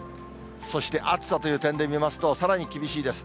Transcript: そして暑さという点で見ますと、さらに厳しいです。